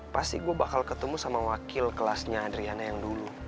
pasti gue bakal ketemu sama wakil kelasnya adriana yang dulu